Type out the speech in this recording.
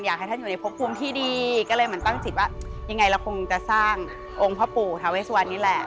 อยากให้ท่านอยู่ในพบภูมิที่ดีก็เลยเหมือนตั้งจิตว่ายังไงเราคงจะสร้างองค์พ่อปู่ทาเวสุวรรณนี่แหละ